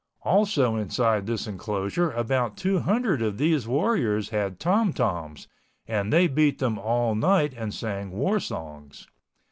Also inside this enclosure about two hundred of these warriors had tom toms and they beat them all night and sang war songs.